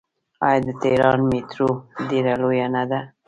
آیا د تهران میټرو ډیره لویه نه ده؟